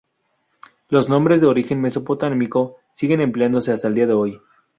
Los nombres de origen mesopotámico siguen empleándose hasta el día de hoy.